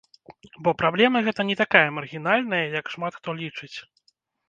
Бо праблема гэта не такая маргінальная, як шмат хто лічыць.